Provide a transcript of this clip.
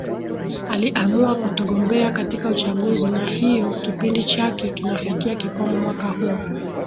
aliamua kutogombea katika uchaguzi na hiyo kipindi chake kinafikia kikomo mwaka huu